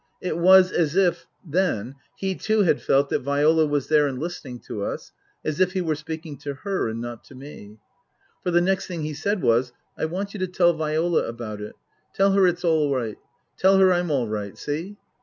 It was as if then he too had felt that Viola was there and listening to us, as if he were speaking to her and not to me. For the next thing he said was, " I want you to tell Viola about it. Tell her it's all right. Tell her I'm all right. See